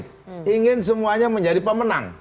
saya ingin semuanya menjadi pemenang